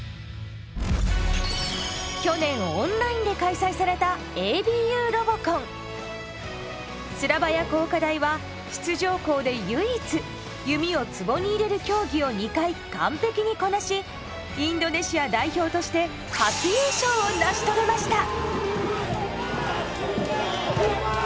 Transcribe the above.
去年オンラインで開催されたスラバヤ工科大は出場校で唯一弓をツボに入れる競技を２回完璧にこなしインドネシア代表として初優勝を成し遂げました。